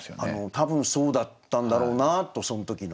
多分そうだったんだろうなとそん時の。